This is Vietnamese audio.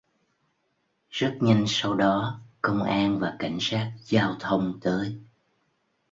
Rất nhanh sau đó công an và cảnh sát giao thông tới